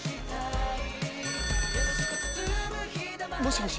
もしもし？